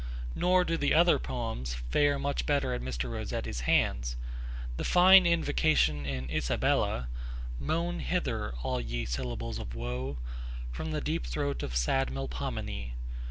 Nor do the other poems fare much better at Mr. Rossetti's hands. The fine invocation in Isabella Moan hither, all ye syllables of woe, From the deep throat of sad Melpomene!